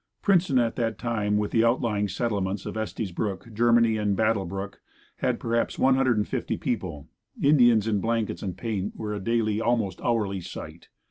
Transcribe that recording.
Princeton at that time with the outlying settlements of Estes Brook, Germany and Battle Brook, had perhaps one hundred and fifty people. Indians in blankets and paint were a daily, almost hourly sight.